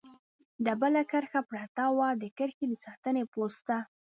ډبله کرښه پرته وه، د کرښې د ساتنې پوسته.